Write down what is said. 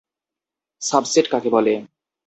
Subset কাকে বলে?